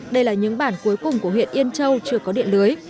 đây là những bản cuối cùng của huyện yên châu chưa có điện lưới